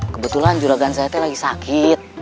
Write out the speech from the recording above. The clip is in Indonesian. kebetulan juragan saya itu lagi sakit